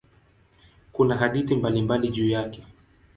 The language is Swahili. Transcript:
Kuna hadithi mbalimbali juu yake.